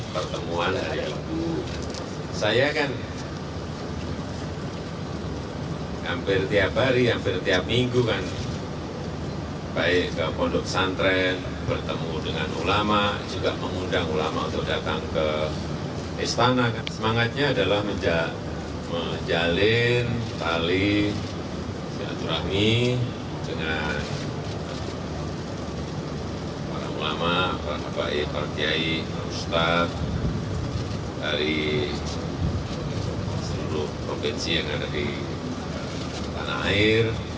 pertemuan presiden joko widodo dengan persaudaraan alumni dua ratus dua belas pada hari minggu kemarin merupakan bentuk pertemuan untuk membahas penyelesaian permasalahan yang ada di masyarakat